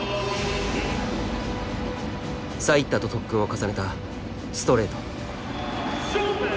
サイッタと特訓を重ねたストレート。